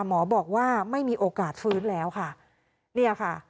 หมอบอกว่าไม่มีโอกาสฟื้นแล้วค่ะเนี่ยค่ะ